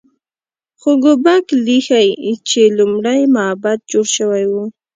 خو ګوبک لي ښيي چې لومړی معبد جوړ شوی و.